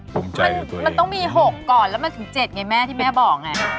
ภูมิใจด้วยตัวเองมันต้องมี๖ก่อนแล้วมันถึง๗ไงแม่ที่แม่บอกไง